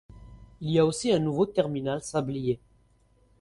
Il y a aussi un nouveau terminal sablier.